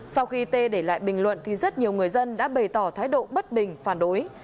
sau khi tê để lại bình luận thì rất nhiều người dân đã bày tỏ thái độ bất bình phản đối